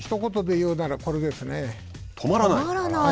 止まらない？